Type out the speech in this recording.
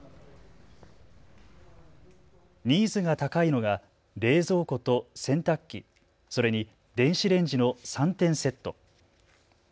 ニーズが高いのが冷蔵庫と洗濯機、それに電子レンジの３点セット。